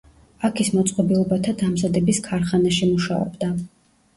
აქ ის მოწყობილობათა დამზადების ქარხანაში მუშაობდა.